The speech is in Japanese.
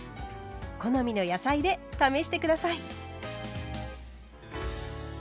好みの野菜で試して下さい。